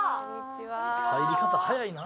入り方早いな。